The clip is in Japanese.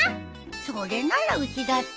それならうちだって。